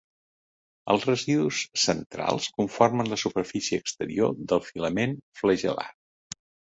Els residus centrals conformen la superfície exterior del filament flagel·lar.